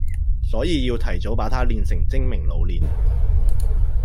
所以要提早把他練成精明老練